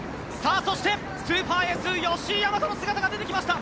そしてスーパーエース吉居大和が出てきました。